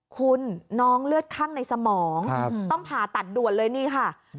คุณน้องเลือดคั่งในสมองต้องผ่าตัดด่วนเลยนี่ค่ะ